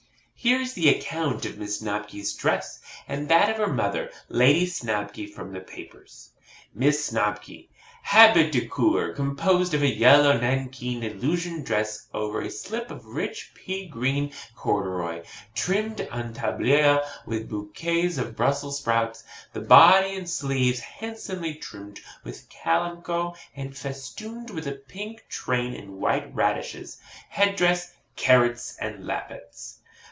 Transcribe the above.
Here is the account of Miss Snobky's dress, and that of her mother, Lady Snobky, from the papers: 'MISS SNOBKY. Habit de Cour, composed of a yellow nankeen illusion dress over a slip of rich pea green corduroy, trimmed en tablier, with bouquets of Brussels sprouts: the body and sleeves handsomely trimmed with calimanco, and festooned with a pink train and white radishes. Head dress, carrots and lappets.